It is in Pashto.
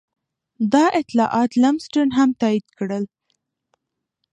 دا اطلاعات لمسډن هم تایید کړل.